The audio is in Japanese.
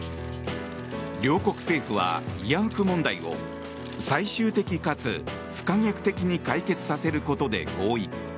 両国政府は慰安婦問題を最終的かつ不可逆的に解決させることで合意。